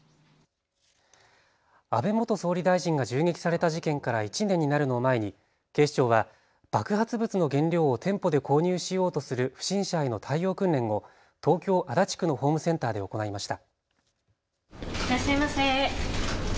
安倍元総理大臣が銃撃された事件から１年になるのを前に警視庁は爆発物の原料を店舗で購入しようとする不審者への対応訓練を東京足立区のホームセンターで行いました。